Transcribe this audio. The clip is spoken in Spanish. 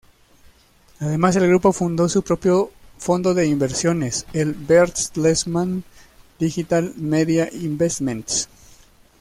Además, el grupo fundó su propio fondo de inversiones, el Bertelsmann Digital Media Investments.